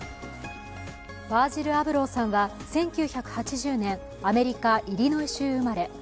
ヴァージル・アブローさんは１９８０年アメリカ・イリノイ州生まれ。